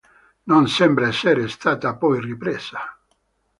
Non sembra essere stata poi ripresa.